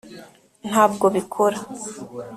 ntabwo bikora